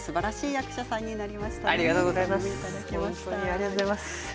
ありがとうございます。